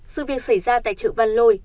sự việc xảy ra tại chợ văn lôi